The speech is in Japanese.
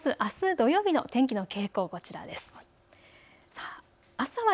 まずあす土曜日の天気の傾向がこちらです。